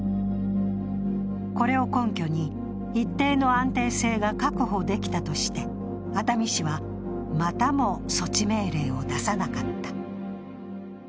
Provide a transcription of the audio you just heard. これを根拠に、一定の安定性が確保できたとして熱海市はまたも措置命令を出さなかった。